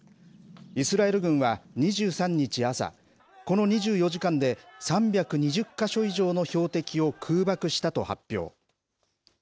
イスラエル軍は２３日朝、この２４時間で３２０か所以上の標的を空爆したと発表。